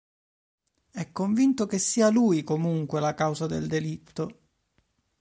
È convinto che sia lui, comunque, la causa del delitto.